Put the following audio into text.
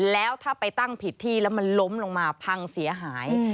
แล้วถ้าไปตั้งผิดที่แล้วมันล้มลงมาพังเสียหาย